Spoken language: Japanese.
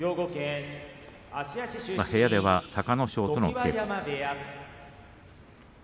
部屋では隆の勝との稽古。